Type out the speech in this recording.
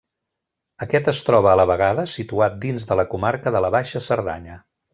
Aquest es troba a la vegada situat dins de la comarca de la Baixa Cerdanya.